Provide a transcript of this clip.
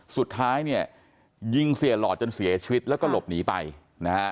สุดท้ายเนี่ยยิงเสียหลอดจนเสียชีวิตแล้วก็หลบหนีไปนะฮะ